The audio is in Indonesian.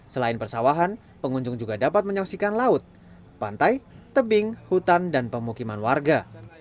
selain persawahan pengunjung juga dapat menyaksikan laut pantai tebing hutan dan pemukiman warga